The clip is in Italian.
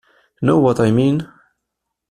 Know What I Mean?